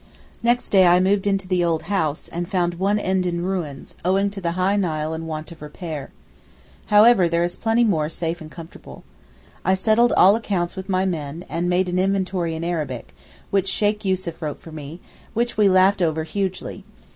Next day I moved into the old house, and found one end in ruins, owing to the high Nile and want of repair. However there is plenty more safe and comfortable. I settled all accounts with my men, and made an inventory in Arabic, which Sheykh Yussuf wrote for me, which we laughed over hugely.